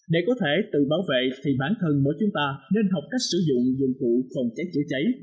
để có thể tự bảo vệ thì bản thân mỗi chúng ta nên học cách sử dụng dụng cụ phòng cháy chữa cháy